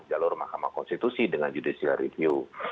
jalur mahkamah konstitusi dengan judicial review